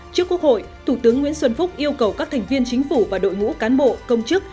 trước quốc hội thủ tướng nguyễn xuân phúc yêu cầu các thành viên chính phủ và đội ngũ cán bộ công chức